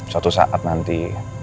suatu saat nanti